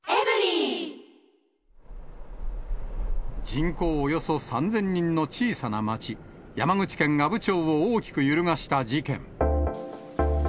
人口およそ３０００人の小さな町、山口県阿武町を大きく揺るがした事件。